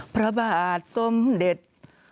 พระบาทสมเด็จ